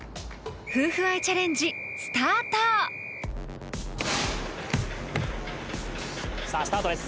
夫婦愛チャレンジさあスタートです